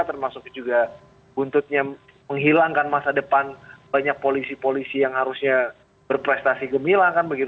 termasuk juga buntutnya menghilangkan masa depan banyak polisi polisi yang harusnya berprestasi gemilang kan begitu